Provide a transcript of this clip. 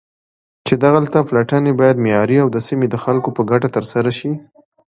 چې دغه پلټنې بايد معياري او د سيمې د خلكو په گټه ترسره شي.